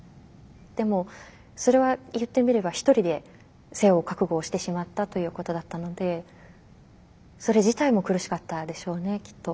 でもそれは言ってみれば一人で背負う覚悟をしてしまったということだったのでそれ自体も苦しかったでしょうねきっと。